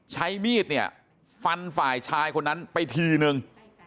ใช้มีดเนี่ยฟันฝ่ายชายคนนั้นไปทีนึง